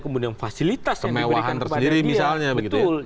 kemudian fasilitas yang diberikan kepada dia